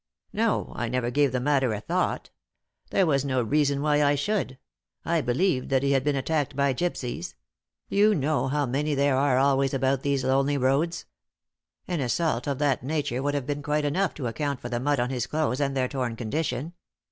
"No, I never gave the matter a thought. There was no reason why I should. I believed that he had been attacked by gypsies you know how many there are always about these lonely roads. An assault of that nature would have been quite enough to account for the mud on his clothes and their torn condition.